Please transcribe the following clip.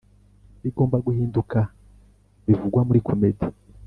bigomba guhinduka bivugwa muri komedi